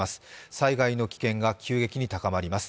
災害の危険が急激に高まります。